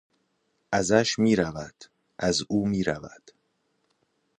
ازش میرود. از او میرود.